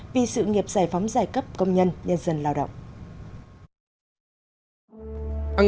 vì sự nghiệp giải phóng giai cấp công nhân nhân dân lao động